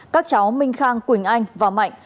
các cháu minh khang quỳnh anh và mạnh